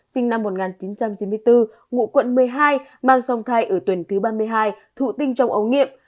sinh năm một nghìn chín trăm chín mươi bốn ngụ quận một mươi hai mang song thai ở tuần thứ ba mươi hai thụ tinh trong ống nghiệm